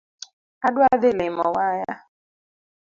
Adwa dhi limo waya.